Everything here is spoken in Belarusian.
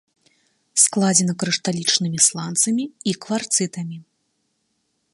Складзена крышталічнымі сланцамі і кварцытамі.